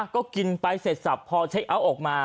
ก็กินไปเสร็จสับพอเช็คเอาท์ออกมา